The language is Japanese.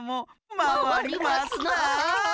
まわりますな。